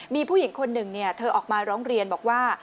มีผู้หญิงคนหนึ่งเธอออกมาร้องเรียนบอกว่า